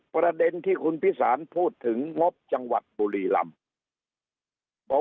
ประเด็นที่คุณพิสารพูดถึงงบจังหวัดบุรีลำ